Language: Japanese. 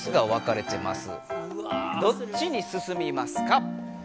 どっちにすすみますか？